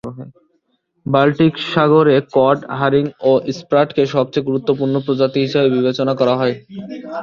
Baltic সাগরে cod, herring এবং স্প্রাটকে সবচেয়ে গুরুত্বপূর্ণ প্রজাতি হিসেবে বিবেচনা করা হয়।